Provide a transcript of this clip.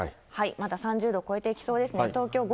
また３０度を超えていきそうですね。